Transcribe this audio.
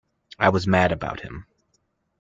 I was mad about him.